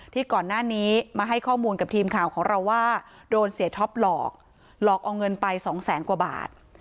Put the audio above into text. ที่ก่อนหน้านี้มาให้ข้อมูลกับทีมข่าวของเราว่าโดนเสียท็อปหลอกหลอกเอาเงินไปสองแสนกว่าบาท